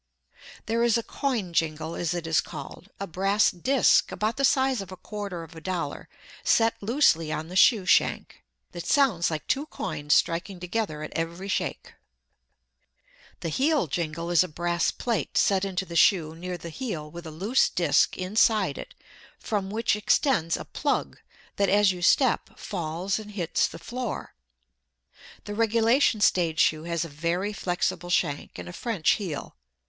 There is a "coin jingle," as it is called, a brass disc about the size of a quarter of a dollar set loosely on the shoe shank, that sounds like two coins striking together at every shake. The heel jingle is a brass plate set into the shoe near the heel with a loose disc inside it from which extends a plug that as you step falls and hits the floor. The regulation stage shoe has a very flexible shank and a French heel.